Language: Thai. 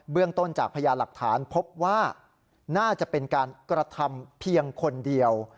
เรื่องต้นจากพญาหลักฐานพบว่าน่าจะเป็นการกระทำเพียงคนเดียว